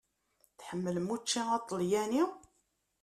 Tḥemmlem učči aṭalyani?